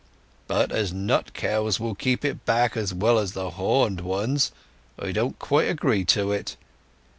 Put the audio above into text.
But as nott cows will keep it back as well as the horned ones, I don't quite agree to it.